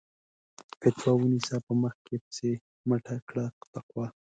فَتوا ونيسه په مخ کې پسې مٔټه کړه تقوا